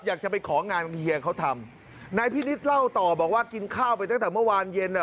อยากจะไปของานเฮียเขาทำนายพินิษฐ์เล่าต่อบอกว่ากินข้าวไปตั้งแต่เมื่อวานเย็นอ่ะ